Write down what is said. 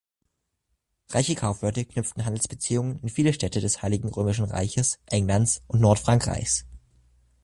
Reiche Kaufleute knüpften Handelsbeziehungen in viele Städte des Heiligen Römischen Reiches, Englands und Nordfrankreichs.